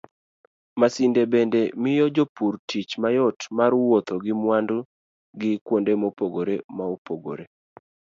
Masinde bende miyo jopur tich mayot mar wuotho gi mwandu gi kuonde mopogore opogore.